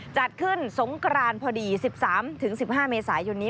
จัดขึ้นสงกรานพอดี๑๓๑๕เมษายนนี้